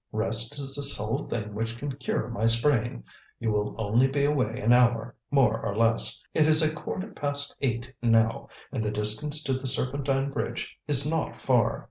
Rest is the sole thing which can cure my sprain. You will only be away an hour, more or less. It is a quarter past eight now, and the distance to the Serpentine bridge is not far.